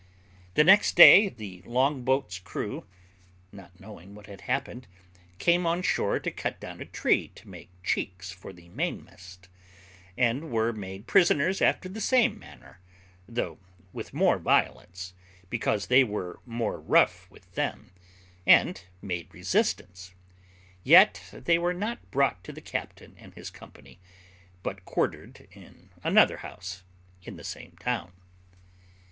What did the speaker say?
The next day the long boat's crew, not knowing what had happened, came on shore to cut down a tree to make cheeks for the mainmast, and were made prisoners after the same manner, though with more violence, because they were more rough with them, and made resistance; yet they were not brought to the captain and his company, but quartered in another house in the same town.